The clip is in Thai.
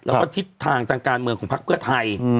แล้วก็ทิศทางทางการเมืองของพักเพื่อไทย